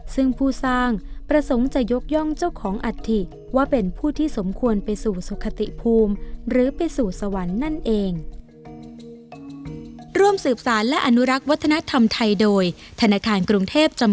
ซึ่งผู้สร้างประสงค์จะยกย่องเจ้าของอัฐิว่าเป็นผู้ที่สมควรไปสู่สุขติภูมิหรือไปสู่สวรรค์นั่นเอง